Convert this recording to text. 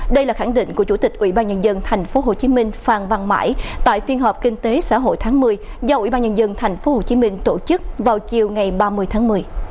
đây là khẳng định của chủ tịch ủy ban nhân dân tp hcm phan văn mãi tại phiên họp kinh tế xã hội tháng một mươi do ủy ban nhân dân tp hcm tổ chức vào chiều ngày ba mươi tháng một mươi